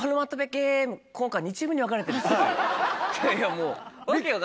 いやいやもう。